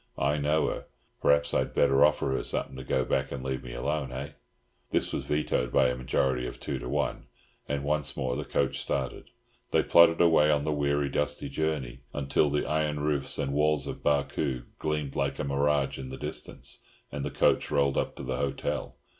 I know her. Perhaps I'd better offer her something to go back and leave me alone, hey?" This was vetoed by a majority of two to one, and once more the coach started. They plodded away on the weary, dusty journey, until the iron roofs and walls of Barcoo gleamed like a mirage in the distance, and the coach rolled up to the hotel.